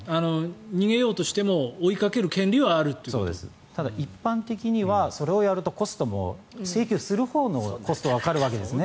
逃げようとしてもただ一般的にはそれをやるとコストも請求するほうのコストがかかるわけですね。